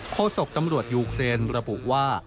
โศกตำรวจยูเครนระบุว่า